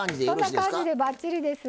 そんな感じでばっちりです。